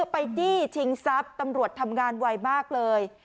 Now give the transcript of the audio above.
ไปจี้ชิงทรัพย์ตำรวจทำงานไวมากเลย